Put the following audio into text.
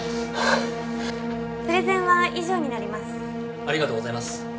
ありがとうございます。